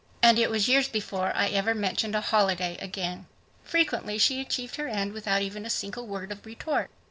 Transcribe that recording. And it was years before I ever mentioned a holiday again. Frequently she achieved her end without even a single word Of retort.